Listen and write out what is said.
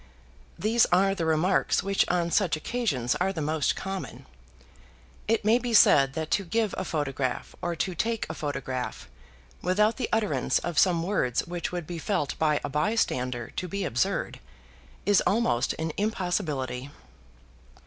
These are the remarks which on such occasions are the most common. It may be said that to give a photograph or to take a photograph without the utterance of some words which would be felt by a bystander to be absurd, is almost an impossibility.